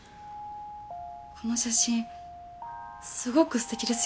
この写真すごく素敵ですよね。